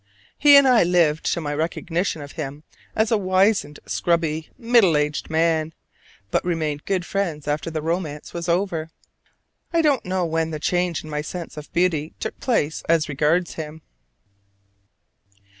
He and I lived to my recognition of him as a wizened, scrubby, middle aged man, but remained good friends after the romance was over. I don't know when the change in my sense of beauty took place as regards him.